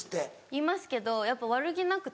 言いますけどやっぱ悪気なくて。